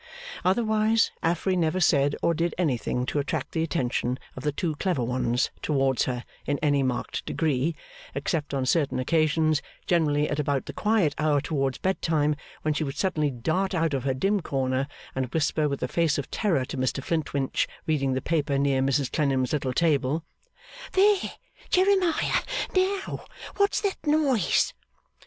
Otherwise, Affery never said or did anything to attract the attention of the two clever ones towards her in any marked degree, except on certain occasions, generally at about the quiet hour towards bed time, when she would suddenly dart out of her dim corner, and whisper with a face of terror to Mr Flintwinch, reading the paper near Mrs Clennam's little table: 'There, Jeremiah! Now! What's that noise?